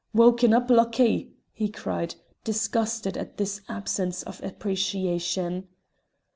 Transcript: "Wauken up, Luckie!" he cried, disgusted at this absence of appreciation.